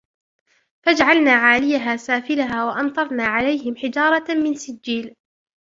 فجعلنا عاليها سافلها وأمطرنا عليهم حجارة من سجيل